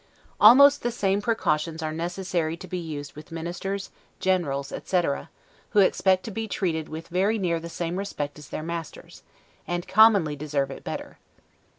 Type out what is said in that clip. Almost the same precautions are necessary to be used with ministers, generals, etc., who expect to be treated with very near the same respect as their masters, and commonly deserve it better.